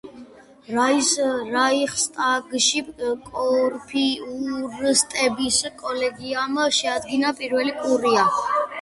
რაიხსტაგში კურფიურსტების კოლეგიამ შეადგინა პირველი კურია.